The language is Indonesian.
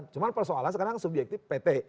cuma persoalan sekarang subjektif pt